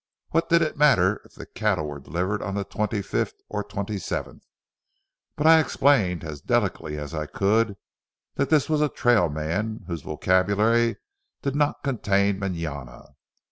What did it matter if the cattle were delivered on the twenty fifth or twenty seventh? But I explained as delicately as I could that this was a trail man, whose vocabulary did not contain mañana.